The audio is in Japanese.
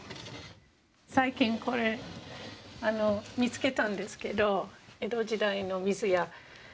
最近これ見つけたんですけど江戸時代の水屋。